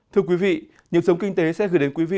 thưa quý vị những sống kinh tế sẽ gửi đến quý vị